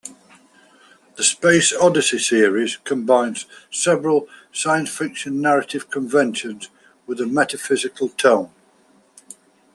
The "Space Odyssey" series combines several science-fiction narrative conventions with a metaphysical tone.